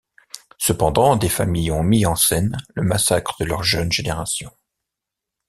Cependant, des familles ont mis en scène le massacre de leur jeune génération.